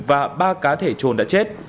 và ba cá thể trồn đã chết